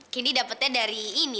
kini dapatnya dari ini